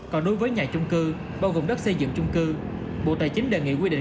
còn đối với nhà chung cư bao gồm đất xây dựng chung cư bộ tài chính đề nghị quy định